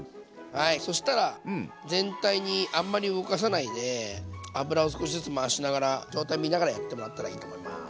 はいそしたら全体にあんまり動かさないで油を少しずつ回しながら状態見ながらやってもらったらいいと思います。